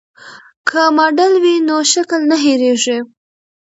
که ماډل وي نو شکل نه هېریږي.